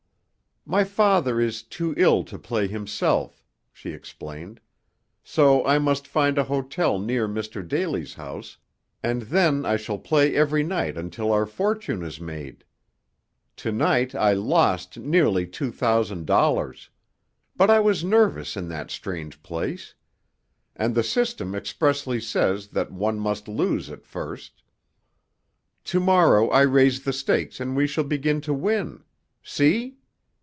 "My father is too ill to play himself," she explained, "so I must find a hotel near Mr. Daly's house, and then I shall play every night until our fortune is made. Tonight I lost nearly two thousand dollars. But I was nervous in that strange place. And the system expressly says that one may lose at first. To morrow I raise the stakes and we shall begin to win. See?"